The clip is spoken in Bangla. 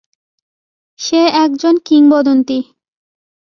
সে একজন কিংবদন্তি!